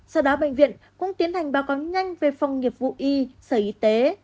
sau đó bệnh viện cũng tiến hành báo cáo nhanh về phòng nghiệp vụ y sở y tế